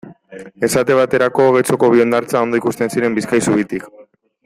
Esate baterako, Getxoko bi hondartza ondo ikusten ziren Bizkaia zubitik.